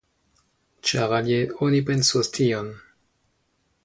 Ĉar alie oni pensos tion.